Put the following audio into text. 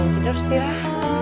jadi harus tirahan